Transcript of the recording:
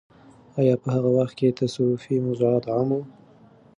آیا په هغه وخت کې تصوفي موضوعات عام وو؟